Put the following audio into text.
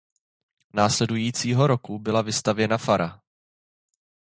Následujícího roku byla vystavěna fara.